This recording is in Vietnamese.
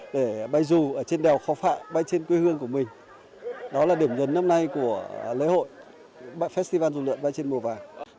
để bay dù trên đèo khao phạ bay trên quê hương của mình đó là điểm nhấn năm nay của lễ hội festival dù lượn bay trên mùa vàng